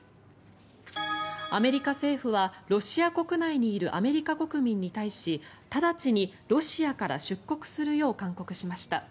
アメリカ政府はロシア国内にいるアメリカ国民に対し直ちにロシアから出国するよう勧告しました。